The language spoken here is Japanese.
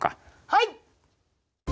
はい！